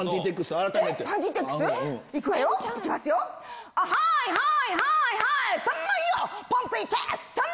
はいはいはいはい！珠代！